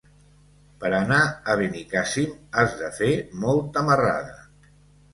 Per anar a Benicàssim has de fer molta marrada.